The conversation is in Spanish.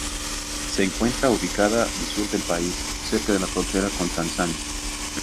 Se encuentra ubicada al sur del país, cerca de la frontera con Tanzania.